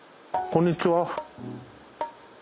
こんにちは。